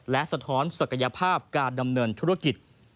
และสะท้อนศักยภาพการดำเนินธุรกิจ